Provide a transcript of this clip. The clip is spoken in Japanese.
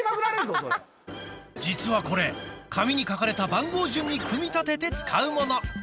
実はこれ紙に書かれた番号順に組み立てて使うもの